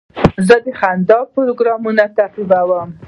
زه د خندا پروګرامونه تعقیبوم.